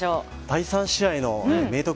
第３試合の明徳